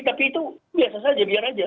tapi itu biasa saja biar aja